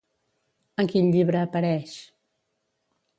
En quin llibre apareix?